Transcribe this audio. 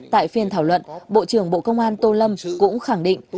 tại phiên thảo luận bộ trưởng bộ công an tô lâm cũng khẳng định